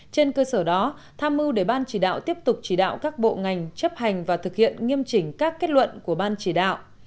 trên cơ sở đó tham mưu để ban chỉ đạo tiếp tục chỉ đạo các bộ ngành chấp hành và thực hiện nghiêm chỉnh các kết luận của ban chỉ đạo